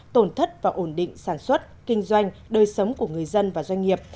tổn thất và ổn định sản xuất kinh doanh đời sống của người dân và doanh nghiệp